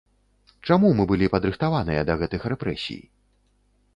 Чаму мы былі падрыхтаваныя да гэтых рэпрэсій?